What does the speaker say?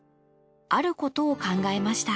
あることを考えました。